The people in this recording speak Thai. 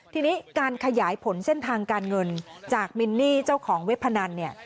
ทีนี้การขยายผลเส้นทางการเงินจากมินนี่เจ้าของเว็บพนันเนี่ย